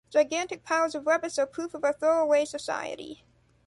Gigantic piles of rubbish are proof of our throwaway society.